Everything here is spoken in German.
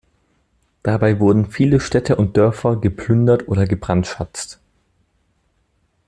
Dabei wurden viele Städte und Dörfer geplündert oder gebrandschatzt.